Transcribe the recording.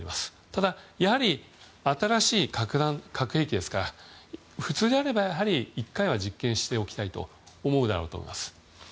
ただ、やはり新しい核兵器ですから普通であれば１回は実験しておきたいと思うだろうと思います。